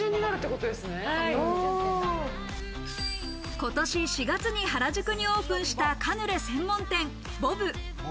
今年４月に原宿にオープンしたカヌレ専門店ｂｏＢ。